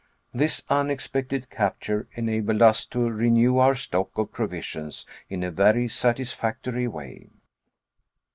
This unexpected capture enabled us to renew our stock of provisions in a very satisfactory way.